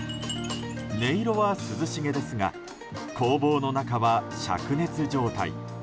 音色は涼しげですが工房の中は灼熱状態。